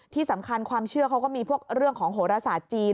ที่สำคัญความเชื่อเค้าก็มีพวกเรื่องของโหระสาทจีน